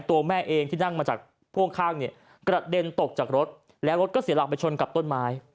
ตัวแม่เองที่นั่งมาจากพ่วงข้างเนี่ยกระเด็นตกจากรถแล้วรถก็เสียหลักไปชนกับต้นไม้